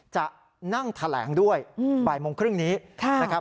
จะนั่งแถลงด้วยบ่ายโมงครึ่งนี้